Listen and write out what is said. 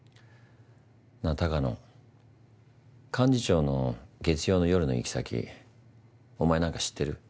なあ鷹野幹事長の月曜の夜の行き先お前何か知ってる？